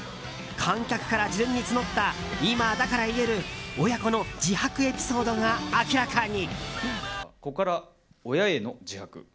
観客から事前に募った今だから言える親子の自白エピソードが明らかに。